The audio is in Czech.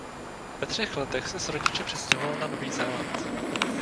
Ve třech letech se s rodiči přestěhoval na Nový Zéland.